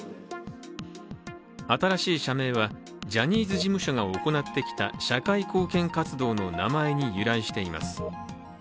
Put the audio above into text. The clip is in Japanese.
新しい社名は、ジャニーズ事務所が行ってきた社会貢献活動の名前に由来しています。